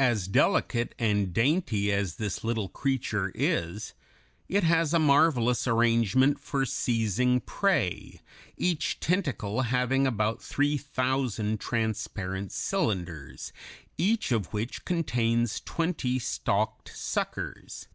As delicate and dainty as this little creature is, it has a marvelous arrangement for seizing prey, each tentacle having about three thousand transparent cylinders, each of which contains twenty stalked suckers.